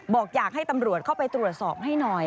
บอกอยากให้ตำรวจเข้าไปตรวจสอบให้หน่อย